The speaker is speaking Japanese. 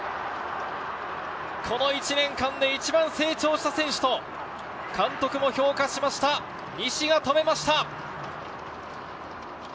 この１年間で一番成長した選手と、監督も評価しました西が止めました。